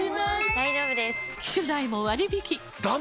大丈夫です！